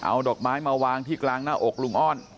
เอาดอกไม้มาวางที่กลางหน้าอกลุงอ้อน